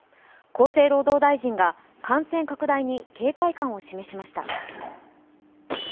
厚生労働大臣が感染拡大に警戒感を示しました。